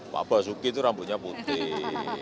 pak basuki itu rambutnya putih